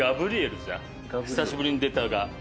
久しぶりに出たが。